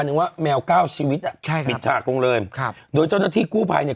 หนึ่งว่าแมวเก้าชีวิตอ่ะใช่ปิดฉากลงเลยครับโดยเจ้าหน้าที่กู้ภัยเนี่ย